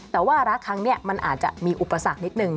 แต่ว่ารักครั้งนี้มันอาจจะมีอุปสรรคนิดนึง